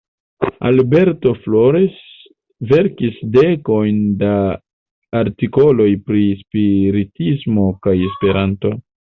Alberto Flores verkis dekojn da artikoloj pri spiritismo kaj Esperanto.